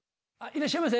いらっしゃいませ。